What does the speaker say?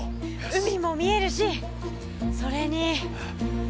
海も見えるしそれにほら！